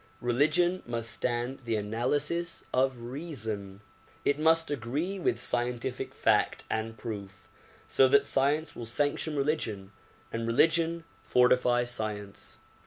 Religion must stand the analysis of reason. It must agree with scientific fact and proof so that science will sanction religion and religion fortify science.